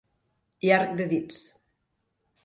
Llarg de dits.